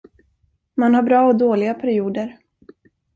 Man har bra och dåliga perioder.